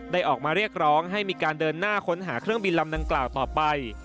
ออกมาเรียกร้องให้มีการเดินหน้าค้นหาเครื่องบินลำดังกล่าวต่อไป